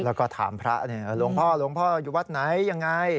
แล้วก็ถามพระหลวงพ่อหลวงพ่ออยู่วัดไหนยังไง